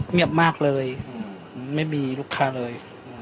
เงียบมากเลยไม่มีลูกค้าเลย